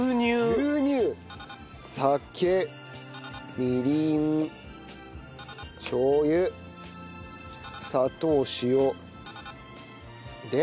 酒みりんしょう油砂糖塩。で？